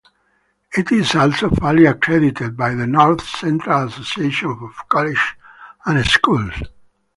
It is also fully accredited by the North Central Association of Colleges and Schools.